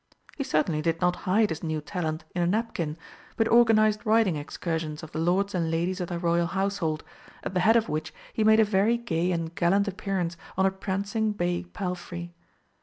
He certainly did not hide his new talent in a napkin, but organised riding excursions of the lords and ladies of the Royal household, at the head of which he made a very gay and gallant appearance on a prancing bay palfrey.